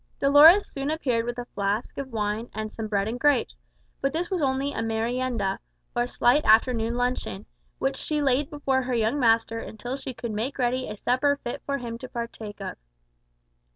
Dolores soon appeared with a flask of wine and some bread and grapes; but this was only a merienda, or slight afternoon luncheon, which she laid before her young master until she could make ready a supper fit for him to partake of.